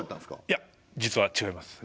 いや実は違います。